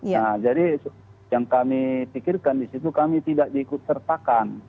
nah jadi yang kami pikirkan di situ kami tidak diikut sertakan